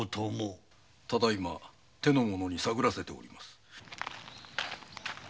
ただいま手の者に探らせております。